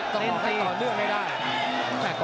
ต้องออกให้ต่อเนื่องให้ได้